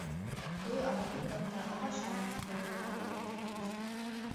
Ő alapította a Vasárnap Kiadóvállalatot is.